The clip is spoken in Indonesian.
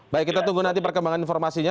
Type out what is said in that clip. baik kita tunggu nanti perkembangan informasinya